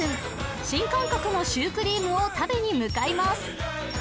新感覚のシュークリームを食べに向かいます